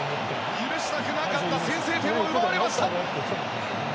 許したくなかった先制点を奪われました。